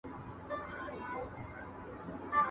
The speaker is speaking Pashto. ¬ بې عقل جمال خوښوي، عاقل کمال.